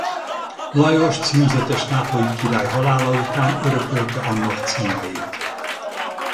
Lajos címzetes nápolyi király halála után örökölte annak címeit.